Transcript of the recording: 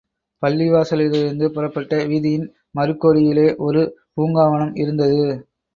பள்ளி வாசலிலிருந்து புறப்பட்ட வீதியின் மறுகோடியிலே ஒரு பூங்காவனம் இருந்தது.